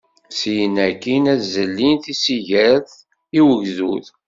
Syen akkin ad zellin tisigert i ugdud.